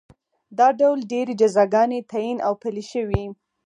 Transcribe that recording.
دا ډول ډېرې جزاګانې تعین او پلې شوې.